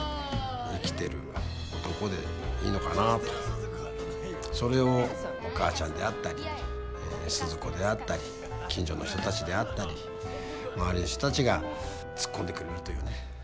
本当に何かそれをお母ちゃんであったり鈴子であったり近所の人たちであったり周りの人たちがツッコんでくれるというね。